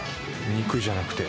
肉じゃなくて？